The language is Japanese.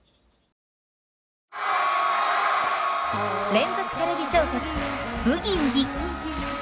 連続テレビ小説「ブギウギ」。